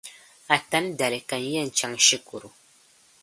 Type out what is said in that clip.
Atani dali ka n yεn chaŋ shikuru.